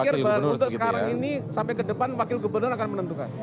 saya pikir untuk sekarang ini sampai kedepan wakil gubernur akan menentukan